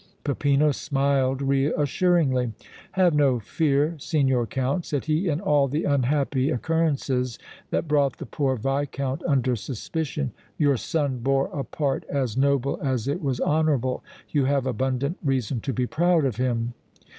Peppino smiled reassuringly. "Have no fear, Signor Count," said he; "in all the unhappy occurrences that brought the poor Viscount under suspicion your son bore a part as noble as it was honorable; you have abundant reason to be proud of him!"